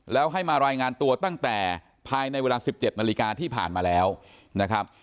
แล้วให้มารายงานตัวตั้งแต่ภายในเวลา๑๗นาฬิกาที่ผ่านมาแล้วนะครับ